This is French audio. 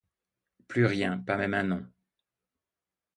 Plus rien, pas même un nom!